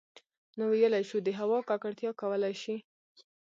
نـو ٫ويلـی شـوو د هـوا ککـړتـيا کـولی شـي